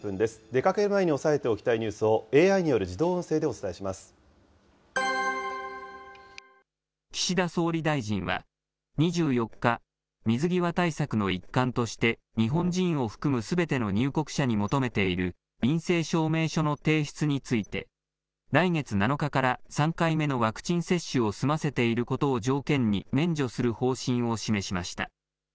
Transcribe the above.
出かける前に押さえておきたいニュースをＡＩによる自動音声でお岸田総理大臣は２４日、水際対策の一環として、日本人を含むすべての入国者に求めている陰性証明書の提出について、来月７日から３回目のワクチン接種を済ませていることを条件に免除する方針を示しました。